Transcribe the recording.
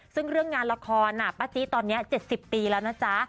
ซึ่งเรื่องงานละครป้าจิตอนนี้๗๐ปีแล้วนะจ๊ะ